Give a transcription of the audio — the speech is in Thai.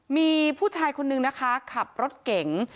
มีผู้ชายคนนึงนะคะขับรถเก๋ง